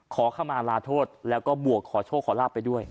ขอเข้ามาลาโทษแล้วก็บวกขอโชคขอลาบไปด้วย